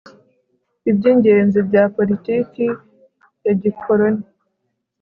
Ibyingenzi bya politiki ya gikoroni